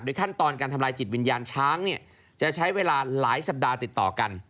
ขั้นตอนการทำลายจิตวิญญาณช้างเนี่ยจะใช้เวลาหลายสัปดาห์ติดต่อกัน